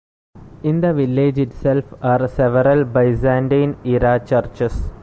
In the village itself are several Byzantine-era churches.